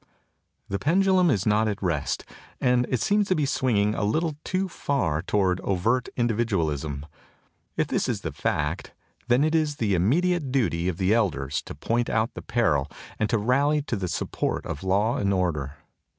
The pendulum is not at rest, and it seems to be swinging a little too far toward overt individualism. If this is the fact, then it is the immediate duty of the elders to point out the peril and to rally to the support of law and order.